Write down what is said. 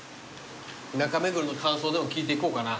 中目黒の感想でも聞いていこうかな。